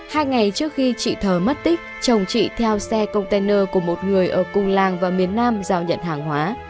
hai ngày trước khi chị thờ mất tích chồng chị theo xe container của một người ở cùng làng và miền nam giao nhận hàng hóa